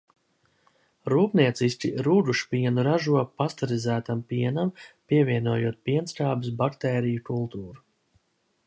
Rūpnieciski rūgušpienu ražo, pasterizētam pienam pievienojot pienskābes baktēriju kultūru.